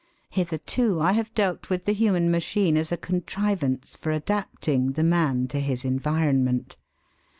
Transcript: Hitherto I have dealt with the human machine as a contrivance for adapting the man to his environment.